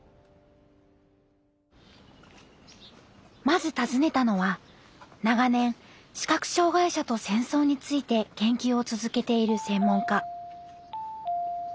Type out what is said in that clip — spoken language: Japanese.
まず訪ねたのは長年視覚障害者と戦争について研究を続けている専門家。